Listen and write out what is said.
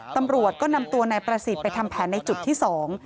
ตำรวจก็นำตัวนายประสิทธิ์ไปทำแผนในจุดที่สอง